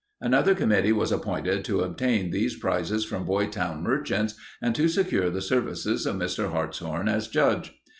Another committee was appointed to obtain these prizes from Boytown merchants and to secure the services of Mr. Hartshorn as judge.